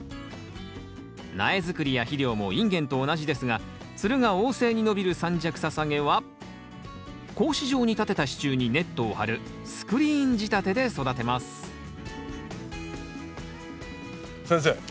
苗づくりや肥料もインゲンと同じですがつるが旺盛に伸びる三尺ササゲは格子状に立てた支柱にネットを張るスクリーン仕立てで育てます先生